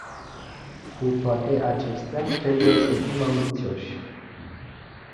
Cu toate acestea, trebuie să fim ambițioși.